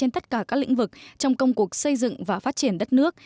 trên tất cả các lĩnh vực trong công cuộc xây dựng và phát triển đất nước